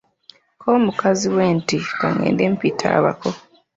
Ko mukazi we nti, Ka ngende mpite abako.